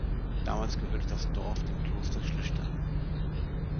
Damals gehörte das Dorf dem Kloster Schlüchtern.